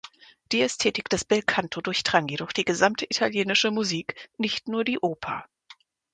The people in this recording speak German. Die Ästhetik des Belcanto durchdrang jedoch die gesamte italienische Musik, nicht nur die Oper.